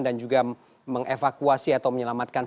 dan juga menyevakuasi atau menyelamatkan